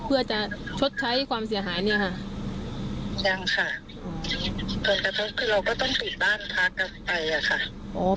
เพื่อจะชดใช้ความเสียหายเนี่ยค่ะยังค่ะจนกระทั่งคือเราก็ต้องปิดบ้านพักไปอะค่ะ